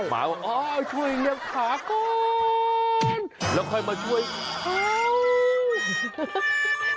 หมาว่าช่วยเลี้ยงผาก่อนแล้วค่อยมาช่วยเขา